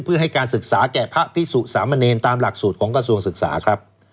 เพื่อให้การศึกษาแก่พระพิสุสามเณรตามหลักสูตรของกระทรวงศึกษาครับ